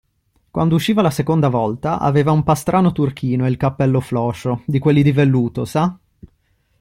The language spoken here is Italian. Quando usciva la seconda volta, aveva un pastrano turchino e il cappello floscio, di quelli di velluto, sa?